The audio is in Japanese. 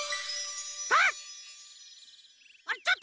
あっ！